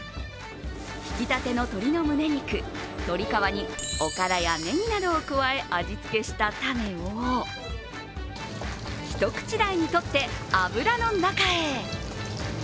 ひきたての鶏の胸肉、鶏皮におからやネギなどを加え味付けしたタネを一口大にとって、油の中へ。